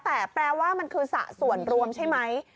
แต่แปลว่ามันคือสระส่วนรวมใช่ไหม